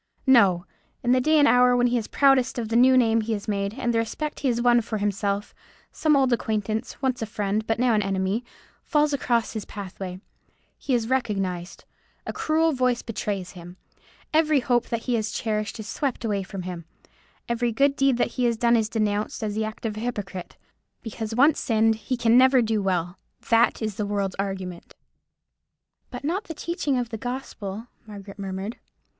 No! In the day and hour when he is proudest of the new name he has made, and the respect he has won for himself, some old acquaintance, once a friend, but now an enemy, falls across his pathway. He is recognized; a cruel voice betrays him. Every hope that he had cherished is swept away from him. Every good deed that he has done is denounced as the act of a hypocrite. Because once sinned he can never do well. That is the world's argument." "But not the teaching of the gospel," Margaret murmured.